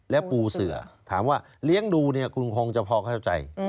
และปูเสือถามว่าเลี้ยงดูเนี่ยคุณคงจะพอเข้าใจ